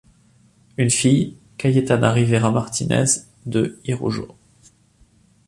Une fille, Cayetana Rivera Martínez de Irujo.